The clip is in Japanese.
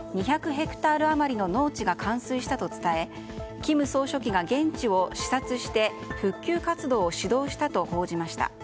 ヘクタール余りの農地が冠水したと伝え金総書記が現地を視察して復旧活動を指導したと報じました。